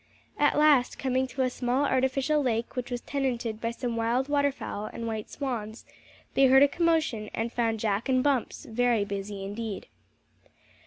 At last coming to a small artificial lake which was tenanted by some wild waterfowl and white swans, they heard a commotion, and found Jack and Bumps very busy indeed.